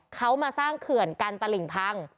เขามาสร้างเขื่อนกันตลิ่งพัง